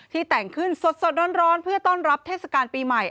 แต่งขึ้นสดร้อนเพื่อต้อนรับเทศกาลปีใหม่